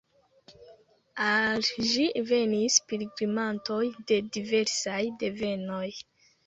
Al ĝi venis pilgrimantoj de diversaj devenoj.